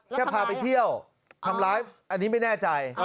แค่พาไปเที่ยวทำร้ายอันนี้ไม่แน่ใจ